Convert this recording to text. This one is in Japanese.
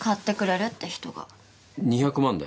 ２００万で？